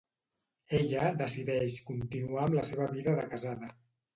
Ella decideix continuar amb la seva vida de casada.